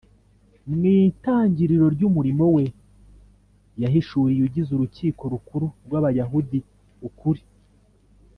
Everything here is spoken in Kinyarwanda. . Mw’itangiriro ry’umurimo we, yahishuriye ugize Urukiko Rukuru rw’Abayahudi ukuri